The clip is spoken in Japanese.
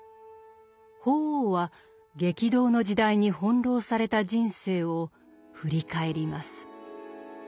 法皇は激動の時代に翻弄された人生を振り返ります。